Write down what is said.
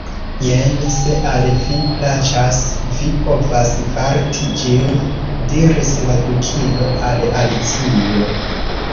"Jen! Se al vi plaĉas, vi povas varti ĝin!" diris la Dukino al Alicio.